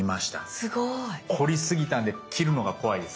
すごい。凝りすぎたんで切るのが怖いです。